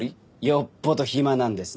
よっぽど暇なんですね。